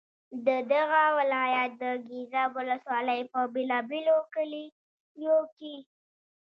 د دغه ولایت د ګیزاب ولسوالۍ په بېلا بېلو کلیو کې.